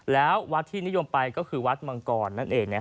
แล้ววัดที่นิยมไปก็คือวัดมังกรนั่นเอง